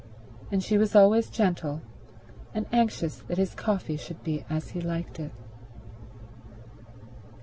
And she was always gentle, and anxious that his coffee should be as he liked it.